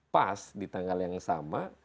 pas di tanggal yang sama